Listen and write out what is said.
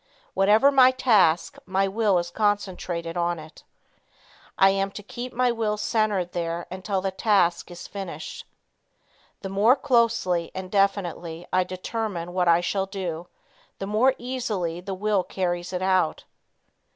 Whatever my task, my will is concentrated on it. I am to keep my will centered there until the task is finished. The more closely and definitely I determine what I shall do, the more easily the will carries it out.